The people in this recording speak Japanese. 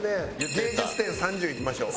芸術点３０いきましょう。